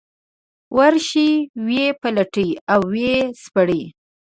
ورشي ویې پلټي او ويې سپړي.